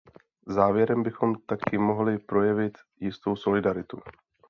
Závěrem bychom taky mohli projevit jistou solidaritu.